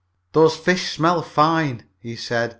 "Those fish smell fine," he said.